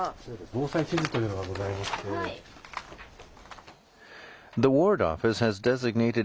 防災地図というものがございまして。